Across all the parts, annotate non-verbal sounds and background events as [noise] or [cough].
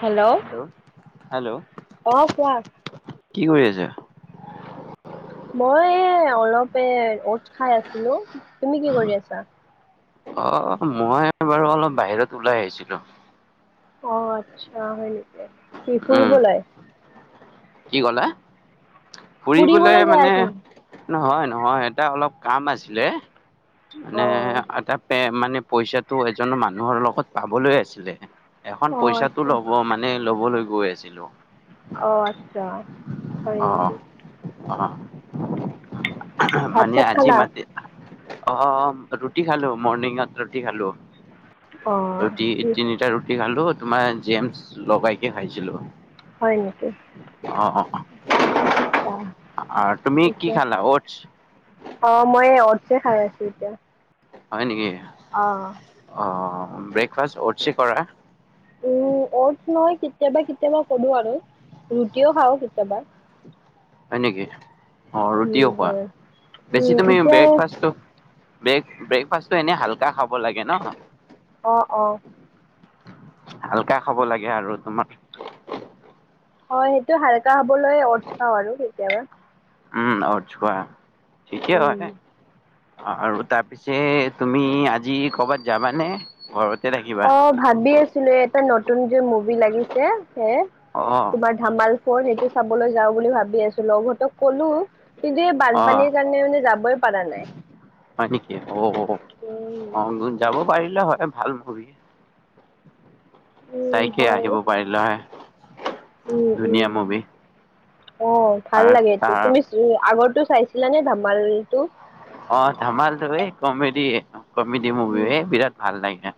Hello hello অ কোৱা? কি কৰি আছা? মই এ অলপ এ ওটচ্ খাই আছিলো, তুমি কি কৰি আছা? অ মই বাৰু অলপ বাহিৰত ওলাই আহিছিলো। অ আচ্ছা হয় নেকি, কি উম, ফুৰিবলৈ? কি ক'লা ফুৰিবলৈ যাই মানে, আছো নেকি নহয় নহয় এটা অলপ কাম আছিলে। মানে অ আধা পে মানে পইচাটো এজন মানুহৰ লগত পাবলৈ আছিলে। এখন অ পইচাটো আচ্ছা ল'ব মানে ল'বলৈ গৈ আছিলো। অ আচ্ছা হয় অ' নেকি। অ' ভাত মানে চাত আজি খালা মতি অ ৰুটি খালো মৰ্ণিঙত ৰুটি খালো, অ ৰুটি তিনিটা ৰু- ৰুটি খালো তোমাৰ জেমছ লগাইকে খাইছিলো। হয় নেকি। অ অ' আচ্ছা আৰু তুমি কি এতিয়া খালা ওটচ্ অ মই অটচ্ য়ে খাই আছো এতিয়া। হয় নেকি? অ অ ব্ৰেকফাষ্ট অতচে কৰা উম অতচ নহয় কেতিয়াবা কেতিয়াবা কৰো আৰু ৰুটিও খাওঁ কেতিয়াবা হয় নেকি অ ৰুটিও উম খোৱা হয় বেছি উম তুমি এতিয়া ব্ৰেকফাষ্টটো ব্ৰে ব্ৰেকফাষ্টটো এনেই হালকা খাব লাগে ন অ অ হালকা খাব লাগে আৰু তোমাৰ হয় সেইটো হালকা হবলৈ অটচ খাওঁ আৰু কেতিয়াবা ওম অটচ খোৱা ঠিকেই উম। হয় আৰু তাৰপিছে তুমি আজি কৰ'বাত যাবানে ঘৰতে থাকিবা অ' ভাবি আছিলো এই এটা নতুন যে মুভি লাগিছে সে অ ধামাল ফৰ সেইটো চাবলৈ যাওঁ বুলি ভাবি আছো লগ হতক ক'লো কিন্তু এই অ' বানপানীৰ কাৰণে মানে যাবই পাৰা নাই হয় নেকি অ' অ যাব পাৰিলা হয় ভাল মুভি উম চাইকে হয় আহিব পাৰিলা হয় উম উম। ধুনীয়া মুভি অ ভাল আৰু লাগে এইটো তাৰ তুমি আগৰটো চাইছিলা নে ধামালটো অ ধামাল টো এ কমেডি কমেডি মুভি উম। এ বিৰাট ভাল লাগে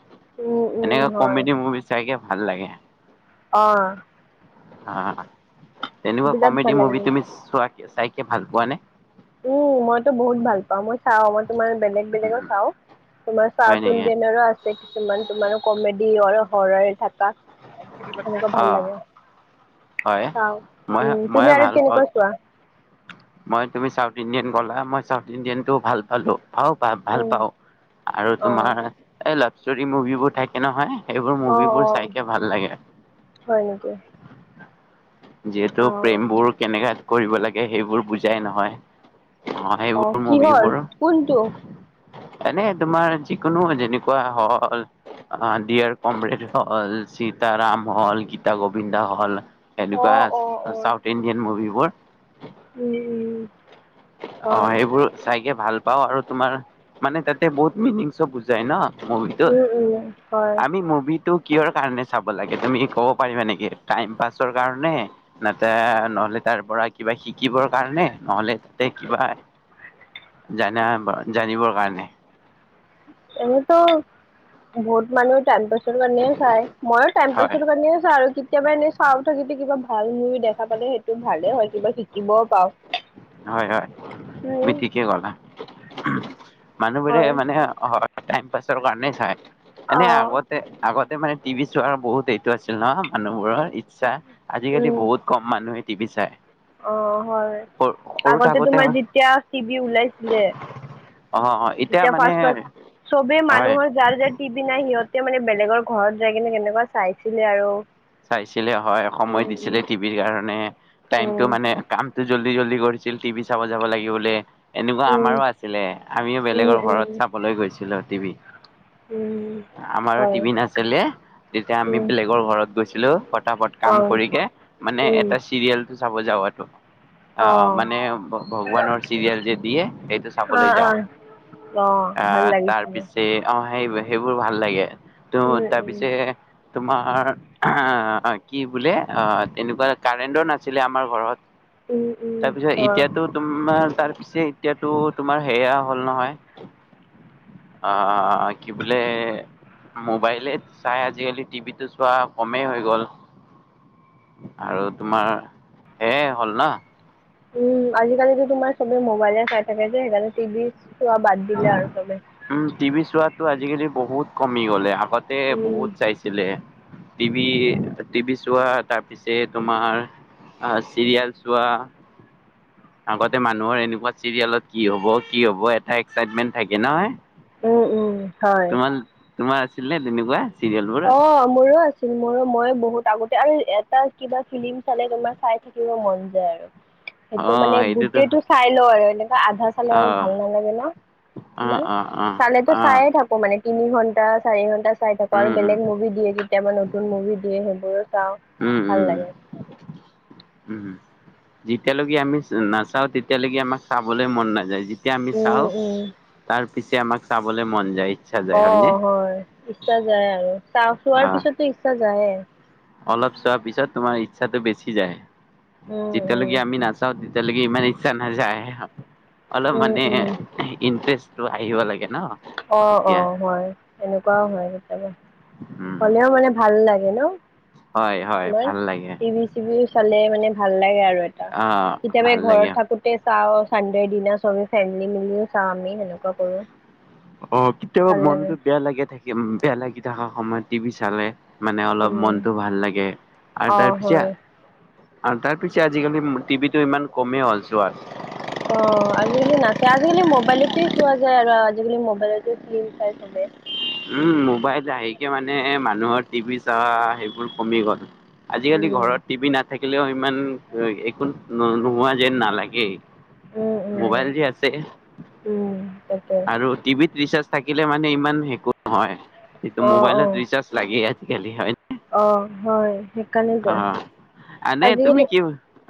উম উম এনেকা হয় কমেডি মুভি চাইকে ভাল লাগে অ অহ তেনেকুৱা বিৰাট কমেডি ভাল লাগে মুভি তুমি কিন্তু। চোৱা চাইকে ভাল পোৱা নে উম মইতো বহুত ভাল পাওঁ মই চাওঁ মই তোমাৰ বেলেগ বেলেগ চাওঁ তোমাৰা হয় চাউট নেকি ইণ্ডিয়ান ৰো আছে কিছুমান তোমাৰ কমেডি হৰাৰ থকা এনেকুৱা অ ভাল লাগে হয় চাও মই উম মইয়ে তুমি আৰু ভাল পাওঁ। কেনেকুৱা চোৱা মই তুমি চাউথ ইণ্ডিয়ান গোলে মই চাউথ ইণ্ডিয়ানটো ভাল পালো অ পাও ভাল উম পাওঁ আৰু তোমাৰ অ এই লাভ ষ্টৰি মুভিবোৰ থাক কে নহয় এইবোৰ অ অ মুভিবোৰ চাইকে ভাল লাগে হয় নেকি যিহেতু অ প্ৰেমবোৰ কেনেকা কৰিব লাগে সেইবোৰ বুজাই নহয় অ সেইবোৰ কিহৰ মুভিবোৰ কোনটো এনে তোমাৰ যিকোনো যেনেকুৱা হল অ দিয়াৰ কমৰেড হল সীতাৰাম হল গীতা গোবিন্দা হল অ এনেকুৱা অ অ চাউথ ইণ্ডিয়ান মুভিবোৰ উম উম অ হয় সেইবোৰ চাইকে ভাল পাও আৰু তোমাৰ মানে তাতে বহুত মিনিংচো বুজাই ন মুভিটোত উম উম হয় আমি মুভিটোক কিহৰ কাৰণে চাব লাগে তুমি ক'ব পাৰিবা নেকি টাইম পাছৰ কাৰণে নাতে নহলে তাৰ পৰা কিবা শিকিবৰ কাৰণে নহলে নে কিবা জানা জানিবৰ কাৰণে এনেতো ভোট মানুহ টাইম পাছ [unintelligible] [unintelligible] মইও টাইম হয় পাছৰ কাৰণে চাও আৰু কেতিয়াবা এনেই চাউথৰ যদি কিবা ভাল মুভি দেখা পালে সেইটো ভালে হয় কিবা শিকিবও পাওঁ হয় হয় তুমি উম ঠিকে কলা মানুহবোৰে হয় মানে হয়। টাইম পাছৰ কাৰণে চাই অ এনেই আগত আগতে মানে টিভি চোৱাৰ বহুত এইটো আছিল ন মানুহবোৰৰ ইচ্ছা আজিকালি উম বহুত কম মানুহে টিভি চায় অ হয় আগতে থাকোতে তোমাৰ যেতিয়া টিভি ওলাইছিলে অ হয় এতিয়া তেতিয়া মানে ফাষ্ট ফাষ্ট চবে মানুহৰ যাৰ যাৰ টিভি নাই সিহঁতে মানে বেলেগৰ ঘৰত যাই কিনে কেনেকুৱা চাইছিলে আৰু চাইছিলে হয় সময় দিছিলে উম টিভিৰ কাৰণে টাইম টো উম মানে কাম টো জল্দি জল্দি কৰিছিল টিভি চাব যাব লাগিব বোলে। এনেকুৱা উম আমাৰো আছিলে, আমিও উম বেলেগৰ উম উম ঘৰত চাবলৈ গৈছিলোঁ টিভি। উম আমাৰো হয় টিভি নাছিলে তেতিয়া আমি উম বেলেগৰ ঘৰত গৈছিলো। পতাপত অ কাম কৰি কিনে মানে উম এটা চিৰিয়েলটো চাব যাওঁ আৰু। অ আহ মানে ভগৱানৰ চিৰিয়েল যে দিয়ে সেইটো অ চাবলৈ যাওঁ। অ অঁ ভাল আহ লাগিছিলে তাৰপিছে অ সেই সেইবোৰ ভাল লাগে। তো তাৰপিছে তোমাৰ, অ কি বোলে অ তেনেকুৱা কাৰেণ্টৰ নাছিলে আমাৰ ঘৰত। তাৰপিছত এতিয়াতো তোমাৰ তাৰ পিছে এতিয়াতো তোমাৰ সেয়া হ'ল নহয় আহ কি বোলে মোবাইলে চাই আজিকালি টিভিটো চোৱা কমেই হৈ গ'ল। আৰু তোমাৰ হেয়ে হ'ল না। উম আজিকালিতো তোমাৰ চবে মোবাইলে চাই থাকে যে সেইকাৰণে টিভি চোৱা বাদ দিলে আৰু চবে। উম টিভি চোৱাটো আজিকালি বহুত কমি গ'লে, আগতে উম, বহুত চাইছিলে। টিভি টিভি চোৱা তাৰপিছে তোমাৰ অ', চিৰিয়েল চোৱা আগতে মানুহৰ এনেকুৱা চিৰিয়েলত কি হ'ব? কি হ'ব? এটা এক্সাইটমেণ্ট থাকে নহয় উম উম হয়। তোমাৰ তোমাৰ আছিল নে তেনেকুৱা? চিৰিয়েল বোৰত অ' মোৰো আছে। ছিল, মোৰো, মই বহুত আগতে আৰু এটা কিবা ফিল্ম চালে তোমাৰ চাই থাকিব মন যায় আৰু। সেইটো অ মানে সেইটোতো গোটেইটো চাই লওঁ আৰু, এনেকুৱা আধা চালে অ আৰু ভাল নালাগে ন। অ তোমাৰ? অ অ চালেটো অ চায়ে থাকোঁ। মানে তিনি ঘন্টা চাৰি ঘন্টা চাই থাকোঁ‌, উম আৰু উম বেলেগ মুভি দিয়ে, কেতিয়াবা নতুন মুভি দিয়ে সেইবোৰো চাওঁ, উম ভাল উম লাগে। উম হম। যেতিয়ালৈকে আমি নাচাওঁ তেতিয়ালৈকে আমাৰ চাবলৈ মন নাযায় যে তিয়া আমি উম চাওঁ, উম তাৰ পিছে আমাক চাবলৈ মন যায়। ইচ্ছা যায় হয়নে অ', হয়, ইচ্ছা যায় আৰু, অ চা-চোৱাৰ পিছতো ইচ্ছা যায়ে। অলপ চোৱাৰ পিছত তোমাৰ ইচ্ছাটো বেছি যায়, উম উম যেতিয়ালৈকে আমি নাচাওঁ তে তিয়ালেকে ইমান ইচ্ছা নাযায়, অলপ উম মানে উম ইনটাৰেষ্ট টো আহিব লাগে ন। তেতিয়া অ'-অ', হয়, এনেকুৱাও হয় কেতিয়াবা। উম হলেও মানে ভাল লাগে ন, হয় হয় তোমাৰ? ভাল লাগে টিভি চিভিও চালে মানে ভাল লাগে আৰু এটা, অ কেতিয়াবা ভাল এই লাগে ঘৰত থাকো তে চাওঁ, চানডেৰ দিনা চবে ফেমিলি মিলিয়ে চাওঁ আমি সেনেকুৱা কৰোঁ‌। অ', কেতিয়াবা মনটো বেয়া লাগে থাকি, বেয়া লাগি থকা সময়ত টিভি চালে মানে অলপ উম মনতটো ভাল লাগে, আৰু অ তাৰ হয় পিছত আৰু তাৰ পিছে আজিকালি টিভিটো ইমান কমেই হ'ল আৰু চোৱা। অ', আজিকালি নাচাই, আজিকালি মবাইলতে চোৱা যায় আৰু, আজিকালি মবাইলতে ফিল্ম চাই চবে। উম, মোবাইল আহকে মানে মানুহৰ টিভি চোৱা সেইবোৰ কমি গ'ল। আজিকালি উম ঘৰত টিভি নাথাকিলেও ইমান একো ন-নোহোৱা যেন নালাগেই। উম উম মোবাইল যে আছে, উম তাকে আৰু টিভিত ৰিচাৰ্জ থাকিলে মানে ইমান একো নহয়, এইটো অ', মোবাইলত অ', ৰিচাৰ্জ লাগেই আজিকালি, হয় অ' হয়, সেইকাৰণেই দ অ' এনে তুমি আজিকালি, কি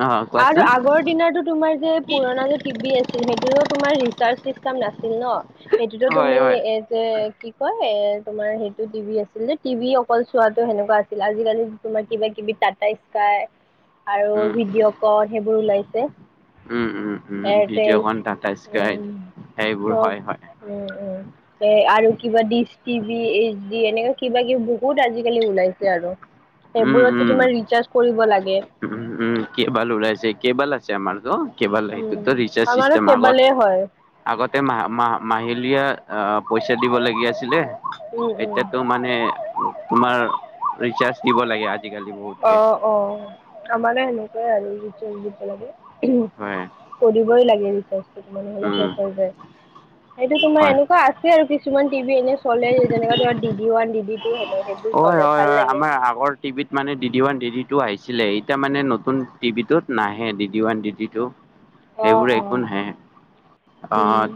অ' আৰু কোৱাচোন আগৰ দিনটো তোমাৰ যে পুৰণা যে টিভি আছিল সেইটোতো তোমাৰ ৰিচাৰ্জ চিষ্টেম নাছিল ন, সেইটোতো হয় তুমি হয় এ যে কি কয়, এ, তোমাৰ সেইটো টিভি আছিল যে, টিভি অকল চোৱাটো সেনেকুৱা আছিল, আজিকালি তোমাৰ কিবা-কিবি টাটা স্কাই আৰু উম ভিডিঅ' কন সেইবোৰ ওলাইছে। উম-উম-উম এয়াৰটেল ভিডিঅ'কন, টাটা স্কাই, উম সেইবোৰ চব হয় হয়। উম উম এ, আৰু কিবা ডিচ টিভি, এইচ ডি, এনেকা কিবা-কিবি বহুত আজিকালি ওলাইছে আৰু। সেইবোৰতো তুমাৰ ৰিচাৰ্জ কৰিব লাগে। উম-উম, কেবল উলাইছে, কেবল আছে আমাৰটো। কেবাল, উম সেইটোতো ৰিচাৰ্জ আমাৰো চিষ্টেম, আগত কেবলে হয় আগতে মা-মাহিলীয়ে পইচা দিব লাগি আছিলে, উম উম এতিয়াতো মানে নে, তোমাৰ ৰিচাৰ্জ দিব লাগে, আ অ'-অ', আমাৰে সেনেকুৱাই আৰু ৰিচাৰ্জ দিব লাগে। হয় কৰিবই লাগে ৰিচাৰ্জটো তোমাৰ, নহ'লে উম শেষ হৈ যায়। সেইটো তোমাৰ হয় এনেকুৱা আছে আৰু কিছুমান টিভি এনে চলে যেনেকুৱা তোমাৰ D D one D D two হেনো সেইবোৰ হয় চলে হয় ভাল হয় লাগে আমাৰ আগৰ টিভিত মানে D D one D D two আহিছিলে এতিয়া মানে নতুন টিভিটোত নাহে D D one D D two অ সেইবোৰ অ একো নাহে অ উম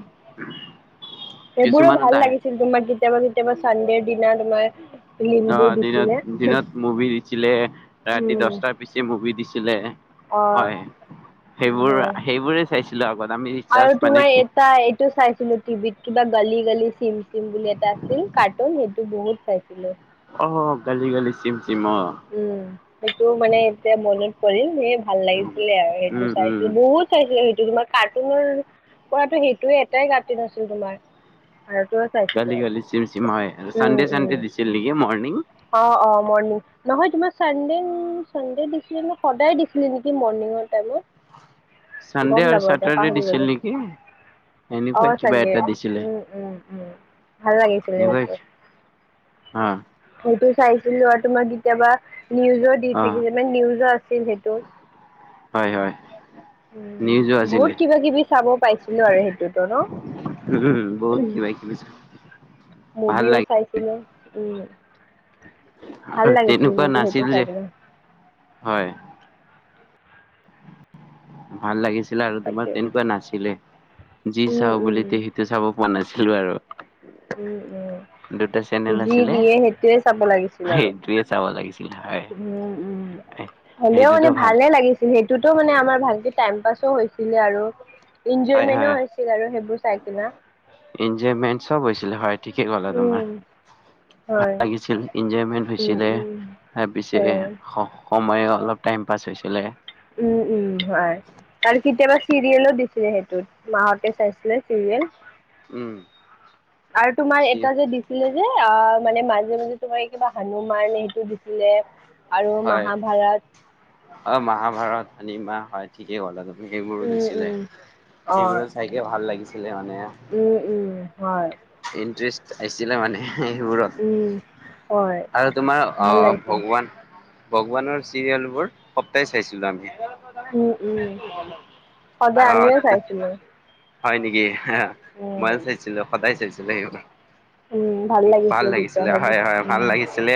সেইবোৰো ভাল লাগিছিল তোমাৰ কেতিয়াবা কেতিয়াবা চানডেৰ দিনা তোমাৰ অ ফিল্মবোৰ দিনত দিছিলে দিনত মুভি দিছিলে ৰাতি দহটাৰ পিছে মুভি দিছিলে অঁ হয় সেইবোৰ সেইবোৰে চাইছিলো আগত আমি আৰু ৰিচাৰ্জ মানে তোমাৰ কি এটা এইটো চাইছিলো টিভিত কিবা গালি গালি চিম চিম বুলি এটা আছিল কাৰ্টুন সেইটো বহুত চাইছিলো অঁ গালি গালি ছিম চিম অঁ উম সেইটো মানে এতিয়া মনত পৰিল সেইটো ভাল লাগিছিলে আৰু উম সেইটো উম চাইছিলো বহুত চাইছিল সেইটো তোমাৰ কাৰ্টুনৰ পৰাটো সেইটোয়ে এটাই কাৰ্টুন আছিল তোমাৰ ভাল তুমি গালি গালি চিম চিম হয় চানডে চানডে উম দিছিল নেকি মৰ্ণিং অ অ মৰ্ণিং নহয় তোমাৰ চানডে চানডে দিছিলে নে সদায় দিছিলে নেকি মৰিং টাইমত চানডে গম আৰু নাপাওঁ এতিয়া চেটাৰডে পাহৰি দিছিল গলোঁ নেকি এনেকুৱাই অ কিবা চানডে এটা দিছিলে উম উম উম ভাল লাগিছিলে এনেকুৱাই সেইটো অ সেইটো চাইছিলো আৰু তোমাক কেতিয়াবা নিউজত দি অ থাকিছিল মানে নিউজৰ আছিল সেইটো হয় হয় উম নিউজো বহুত আছিলে কিবা কিবি চাব পাইছিলো আৰু সেইটোতো ন উম বহুত কিবা কিবি ভাল মুভিও লাগে চাইছিলোঁ উম ভাল আৰু লাগিছিল তেনেকুৱা কিন্তু সেইটো নাছিল চাই যে কিনে হয় ভাল লাগিছিলে আৰু তোমাৰ তাকে তেনেকুৱা নাছিলে যি উম, চাওঁ উম, বুলি তে চাব প পৰা নাছিল বাৰু উম উম চেনেল যি আছিলে দিয়ে সেইটোৱে চাব লাগিছিল আৰু সেইটোৱে চাব লাগিব উম উম হ'লেও সেইটোতো মানে ভাল ভালে লাগিছিল সেইটোতো মানে আমাৰ ভালকে টাইম পাছো হৈছিলে আৰু এনজয়মেন্টও হৈছিল আৰু সেইবোৰ চাইকিনে ইঞ্জয়মেন্ত চব হৈছিলে হয় ঠিকেই কলা তোমাৰ উম ভাল হয় লাগিছিল এনজয়মেন্ট উম হৈছিলে উম তাৰ পিছে হয় স সময় অলপ টাইম পাছ হৈছিলে উম উম হয় আৰু কেতিয়াবা চিৰিয়েলো দিছিলে সেইটোত মাহতে চাইছিলে চিৰিয়েল উম আৰু তোমাৰ এটা যে যে অ মানে মাজে মাজে তোমাৰ কিবা হানু মাৰ নে সেইটো দিছিলে আৰু হয় মহাভাৰত অ মহাভাৰত শনিমাহ হয় ঠিকে ক'লা তুমি সেইবোৰো উম দিছিলে উম অ সেইবোৰ চাইকে ভাল লাগিছিলে মানে উম উম হয় ইন্টেৰেষ্ট আহিছিলে মানে সেইবোৰত উম হয় আৰু তোমাৰ ভাল আহ লাগিছে ভগৱান ভগৱানৰ চিৰিয়েলবোৰ সদায় চাইছিলোঁ আমি। উম উম সদায় আমিও চাইছিলো। অ হয় নেকি? হ মইও উম। চাইছিলো সদায় চাইছিলো সেইবোৰ। উম, ভাল তেতিয়া লাগিছিলে সেইবোৰ। হয় হয় ভাল উম, লাগিছিলে।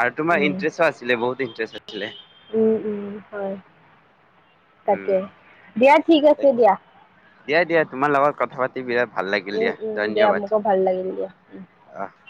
আৰু তোমাৰ উম। ইণ্টাৰেষ্টো আছিলে বহুত ইণ্টাৰেষ্ট আছিলে। উম উম হয়। উম তাকে দিয়া ঠিক আছে দিয়া। দিয়া দিয়া তোমাৰ লগত কথা পাতি বিৰাট ভাল লাগিল উম, দিয়া উম, দিয়া ধন্যবাদ, মোকো ভাল লাগিল দিয়া উম। অহ।